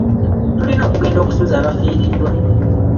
Tulina okugenda okusuza abafiiriddwa.